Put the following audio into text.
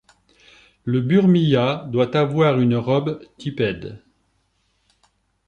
Le burmilla doit avoir une robe tipped.